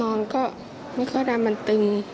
นอนก็ไม่ก็ได้มันตึง